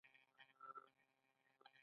هند اوس د نړۍ تر ټولو ډیر نفوس لري.